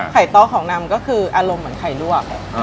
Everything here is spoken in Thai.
ต้อของนำก็คืออารมณ์เหมือนไข่ลวก